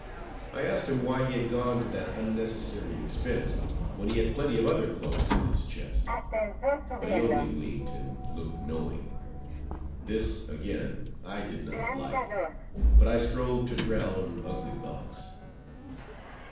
I asked him why he had gone to that unnecessary expense, when he had plenty of other clothes in his chest. But he only winked, and looked knowing. This, again, I did not like. But I strove to drown ugly thoughts.